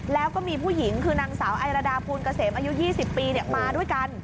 แล้วก็มีผู้หญิงคือนางสาวไอรดาภูลเกษมอายุ๒๐ปีมาด้วยกัน